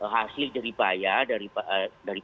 hasil jeri payah dari